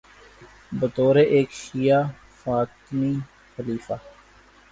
بطور ایک شیعہ فاطمی خلیفہ